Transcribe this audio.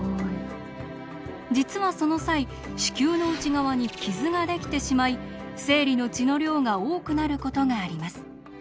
実はその際子宮の内側に傷が出来てしまい生理の血の量が多くなることがあります。